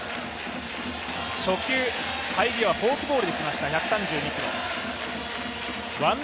初球、入りはフォークボールで来ました、１３２キロ。